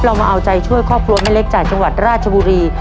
เรามาเอาใจช่วยครอบครัวแม่เล็กจากจังหวัดราชบุรี